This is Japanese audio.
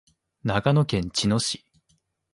長野県茅野市